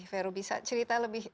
veru bisa cerita lebih sedikit